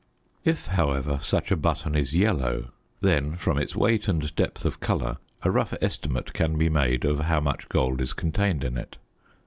If, however, such a button is yellow, then, from its weight and depth of colour, a rough estimate can be made of how much gold is contained in it.